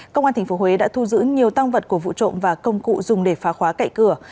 công an tp huế đã thu giữ nhiều tăng vật của vụ trộm và công cụ dùng để phá khóa cậy cửa